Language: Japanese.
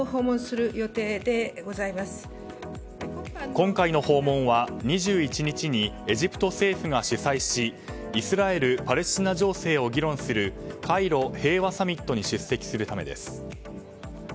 今回の訪問は２１日にエジプト政府が主催しイスラエル・パレスチナ情勢を議論するカイロ平和サミットに出席するためです。